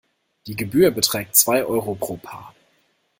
Die Gebühr beträgt zwei Euro pro Paar.